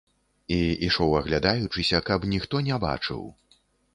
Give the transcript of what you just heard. І ішоў аглядаючыся, каб ніхто не бачыў.